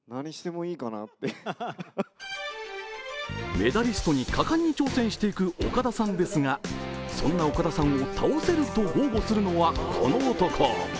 メダリストに果敢に挑戦していく岡田さんですがそんな岡田さんを倒せると豪語するのはこの男。